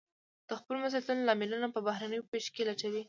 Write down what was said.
د خپلو مسوليتونو لاملونه په بهرنيو پېښو کې نه لټوي.